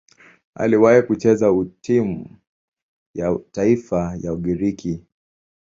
Aliwahi kucheza timu ya taifa ya Ugiriki.